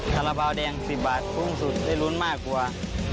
ภาระเบาแดง๑๐บาทภูมิสุดได้รุ้นมากกว่า